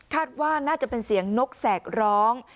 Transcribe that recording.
ว่าน่าจะเป็นเสียงนกแสกร้อง